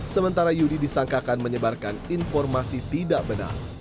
sementara yudi disangkakan menyebarkan informasi tidak benar